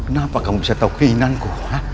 kenapa kamu bisa tahu keinginanku